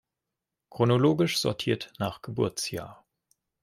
Chronologisch sortiert nach Geburtsjahr.